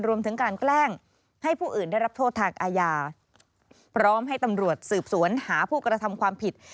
รวมถึงการแกล้งให้ผู้อื่นได้รับโทษทางอาญาพร้อมให้ตำรวจสืบสวนหาผู้กระทำความผิด